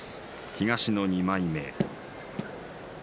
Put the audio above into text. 東の２枚目。